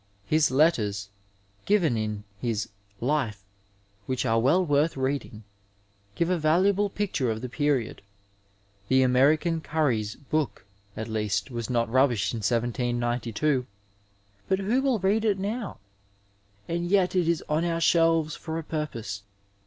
His letters, given in his Life, which are well worth reading, give a valuable picture of the period. The American Carrie's book at least was not rubbish in 1792, but who will read it now ? And yet it is on our shelves for a purpose.